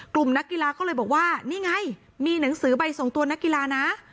นักกีฬาก็เลยบอกว่านี่ไงมีหนังสือใบส่งตัวนักกีฬานะ